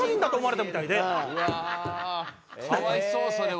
だからかわいそうそれは。